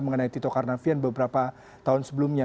mengenai tito karnavian beberapa tahun sebelumnya